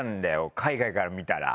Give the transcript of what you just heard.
海外から見たら。